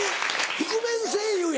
覆面声優や。